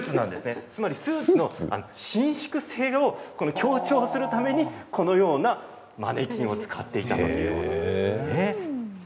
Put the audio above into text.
スーツの伸縮性を強調するためにこのようなマネキンを使っていたということなんです。